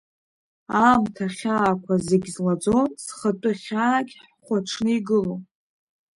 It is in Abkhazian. Аамҭа ахьаақәа зегь злаӡо, зхатәы хьаагь хәаҽны игыло…